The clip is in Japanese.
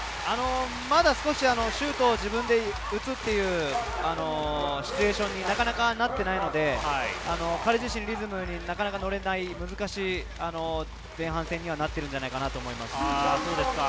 まだ少しシュートを自分で打つというシチュエーションになかなかなっていないので、彼自身、リズムになかなか乗れない、難しい前半戦になっているのではないかと思います。